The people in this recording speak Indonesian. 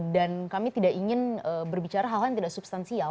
dan kami tidak ingin berbicara hal hal yang tidak substansial